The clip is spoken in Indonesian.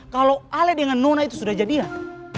kalau ale dengan nona itu sudah jadian